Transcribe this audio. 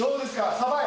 サバイ？